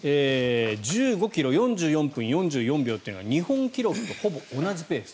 １５ｋｍ４４分４４秒というのが日本記録とほぼ同じペース。